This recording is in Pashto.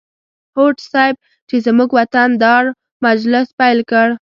هوډ صیب چې زموږ وطن دار و مجلس پیل کړ.